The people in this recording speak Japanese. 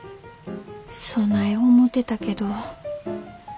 そない思てたけど。